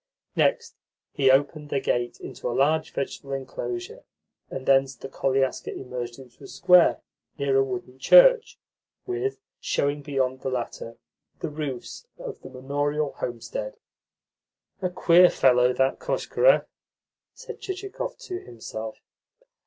Next, he opened a gate into a large vegetable enclosure, and thence the koliaska emerged into a square near a wooden church, with, showing beyond the latter, the roofs of the manorial homestead. "A queer fellow, that Koshkarev!" said Chichikov to himself.